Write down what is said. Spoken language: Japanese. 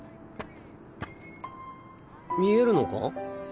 見えるのか？